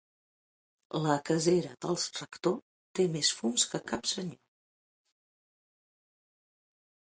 La casera del rector té més fums que cap senyor.